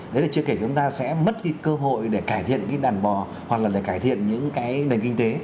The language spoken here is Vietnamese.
đấy là chưa kể chúng ta sẽ mất cái cơ hội để cải thiện cái đàn bò hoặc là để cải thiện những cái nền kinh tế